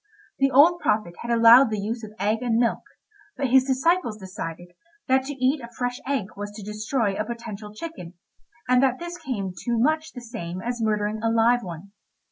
The old prophet had allowed the use of eggs and milk, but his disciples decided that to eat a fresh egg was to destroy a potential chicken, and that this came to much the same as murdering a live one.